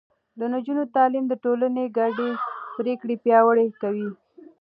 د نجونو تعليم د ټولنې ګډې پرېکړې پياوړې کوي.